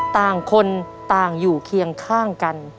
ต่างคนต่างอยู่เคียงข้างกัน